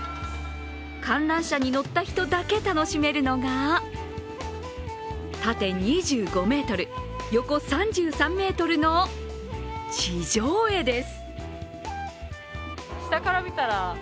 観覧車に乗った人だけ楽しめるのが縦２５ｍ、横３３ｍの地上絵です。